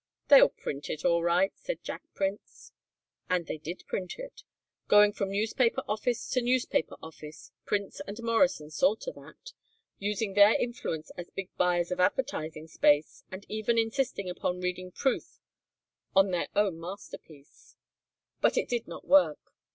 "They will print it all right," said Jack Prince. And they did print it; going from newspaper office to newspaper office Prince and Morrison saw to that, using their influence as big buyers of advertising space and even insisting upon reading proof on their own masterpiece. But it did not work.